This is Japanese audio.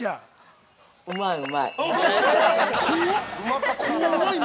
◆うまい、うまい。